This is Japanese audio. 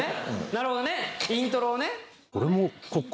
なるほどねイントロをね。